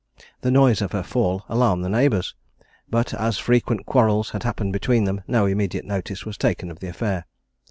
The noise of her fall alarmed the neighbours; but, as frequent quarrels had happened between them, no immediate notice was taken of the affair.